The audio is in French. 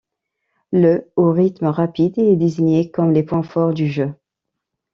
Le au rythme rapide est désigné comme les points forts du jeu.